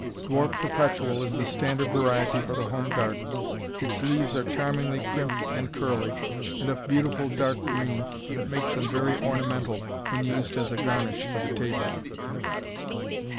Dwarf Perpetual is the standard variety for the home garden. Its leaves are charmingly crimped and curly, and of beautiful dark green that makes them very ornamental when used as a garnish for the table.